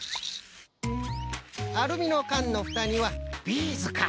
アルミのかんのふたにはビーズか。